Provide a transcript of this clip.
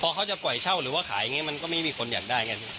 พอเขาจะปล่อยเช่าหรือว่าขายอย่างนี้มันก็ไม่มีคนอยากได้ไง